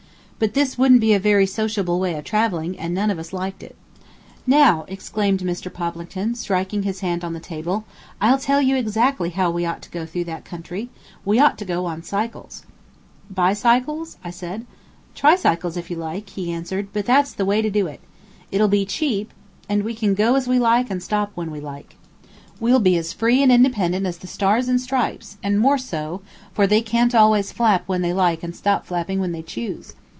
But this wouldn't be a very sociable way of travelling, and none of us liked it. "Now," exclaimed Mr. Poplington, striking his hand on the table, "I'll tell you exactly how we ought to go through that country we ought to go on cycles." "Bicycles?" said I. "Tricycles, if you like," he answered, "but that's the way to do it. It'll be cheap, and we can go as we like and stop when we like. We'll be as free and independent as the Stars and Stripes, and more so, for they can't always flap when they like and stop flapping when they choose.